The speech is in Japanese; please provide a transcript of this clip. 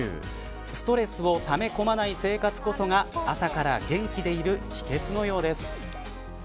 ストレスをため込まない生活こそが朝から元気でいる秘訣のようです。